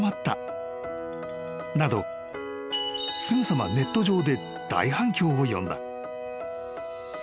［すぐさまネット上で大反響を呼んだ］